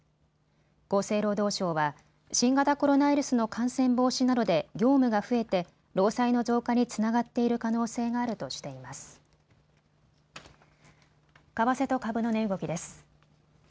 厚生労働省は新型コロナウイルスの感染防止などで業務が増えて労災の増加につながっている可能性があるとしています。